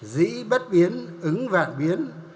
dĩ bất biến ứng vạn biến